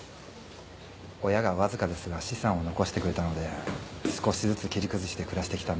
親がわずかですが資産を残してくれたので少しずつ切り崩して暮らしてきたんですが。